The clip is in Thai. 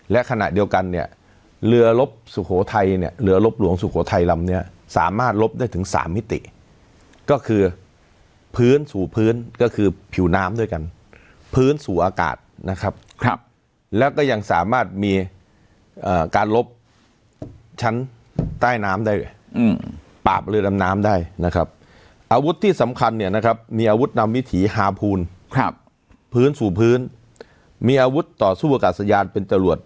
และขณะเดียวกันเนี่ยเรือลบสุโขทัยเนี่ยเรือลบหลวงสุโขทัยลำเนี้ยสามารถลบได้ถึงสามมิติก็คือพื้นสู่พื้นก็คือผิวน้ำด้วยกันพื้นสู่อากาศนะครับแล้วก็ยังสามารถมีการลบชั้นใต้น้ำได้ปราบเรือดำน้ำได้นะครับอาวุธที่สำคัญเนี่ยนะครับมีอาวุธนำวิถีฮาพูนครับพื้นสู่พื้นมีอาวุธต่อสู้อากาศยานเป็นจรว